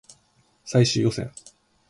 最終予選